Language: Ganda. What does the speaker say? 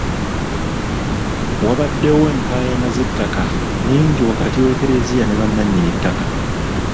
Wabaddewo enkaayana z'ettaka nnyingi wakati w'ekleziya ne bannannyini ttaka.